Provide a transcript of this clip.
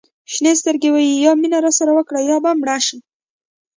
شینې سترګې وایي یا مینه راسره وکړه یا به مړه شو.